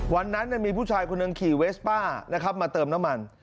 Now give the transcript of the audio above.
วันนั้นมีผู้ชายคนหนึ่งขี่เวสป้านะครับมาเติมน้ำมัน